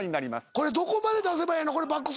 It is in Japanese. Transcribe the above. これどこまで出せばええの？